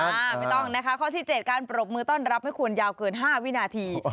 ไม่ต้องนะคะข้อที่๗การปรบมือต้อนรับไม่ควรยาวเกิน๕วินาที